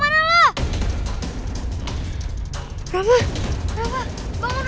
bangun bangun bangun